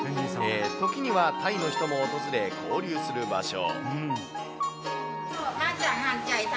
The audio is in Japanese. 時には、タイの人も訪れ、交流する場所。